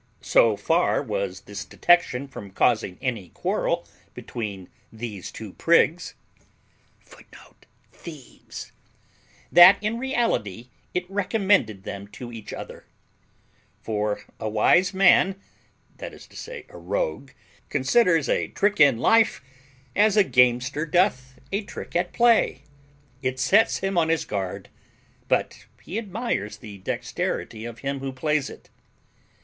So far was this detection from causing any quarrel between these two prigs,[Footnote: Thieves] that in reality it recommended them to each other; for a wise man, that is to say a rogue, considers a trick in life as a gamester doth a trick at play. It sets him on his guard, but he admires the dexterity of him who plays it.